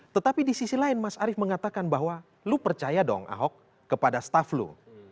tetapi di sisi lain mas arief mengatakan bahwa lo percaya dong ahok kepada staf lo